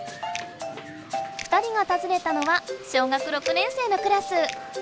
２人がたずねたのは小学６年生のクラス。